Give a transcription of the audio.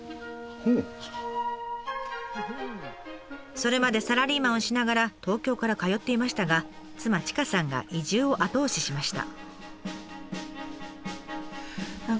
それまでサラリーマンをしながら東京から通っていましたが妻ちかさんが移住を後押ししました。